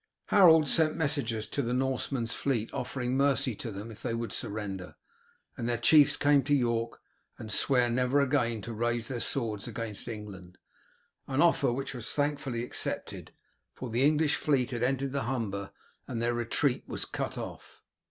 Harold sent messengers to the Norsemen's fleet offering mercy to them if they would surrender, and their chiefs come to York and swear never again to raise their swords against England an offer which was thankfully accepted, for the English fleet had entered the Humber, and their retreat was cut off.